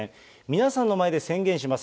皆さんの前で宣言します。